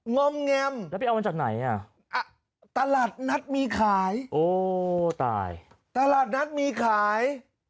อมแงมแล้วไปเอามาจากไหนอ่ะตลาดนัดมีขายโอ้ตายตลาดนัดมีขาย